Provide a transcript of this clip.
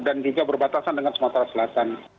dan juga berbatasan dengan sumatera selatan